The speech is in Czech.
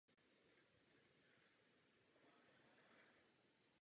Barokní stavba je chráněnou kulturní památkou České republiky.